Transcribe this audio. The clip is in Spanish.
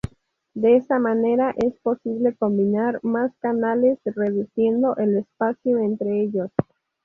De esta manera es posible combinar más canales reduciendo el espacio entre ellos.